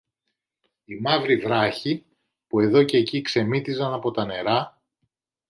οι μαύροι βράχοι, που εδώ κι εκεί ξεμύτιζαν από τα νερά